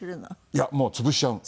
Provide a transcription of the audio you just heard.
いやもう潰しちゃう。